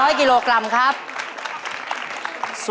มาดูเฉลยไปพร้อมกันนะครับผู้ผู้ชม